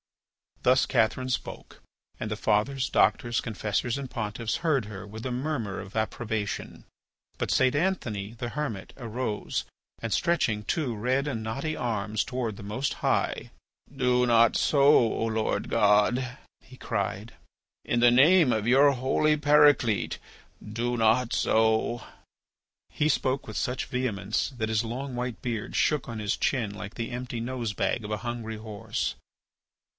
Thus Catherine spoke, and the fathers, doctors, confessors, and pontiffs heard her with a murmur of approbation. But St. Anthony, the Hermit, arose and stretching two red and knotty arms towards the Most High: "Do not so, O Lord God," he cried, "in the name of your holy Paraclete, do not so!" He spoke with such vehemence that his long white beard shook on his chin like the empty nose bag of a hungry horse.